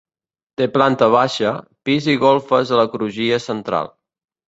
Té planta baixa, pis i golfes a la crugia central.